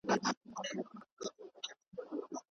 د نړیوالو قوانینو تطبیق په هیواد کي ځنډول سوی دی.